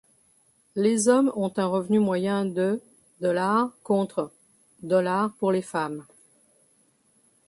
Les hommes ont un revenu moyen de $ contre $ pour les femmes.